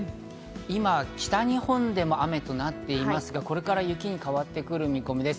今、北日本でも雨となっていますが、これから雪に変わってくる見込みです。